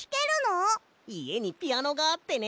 いえにピアノがあってね